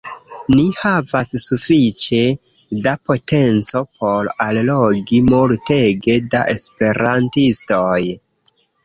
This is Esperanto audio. Ni havas sufiĉe da potenco por allogi multege da esperantistoj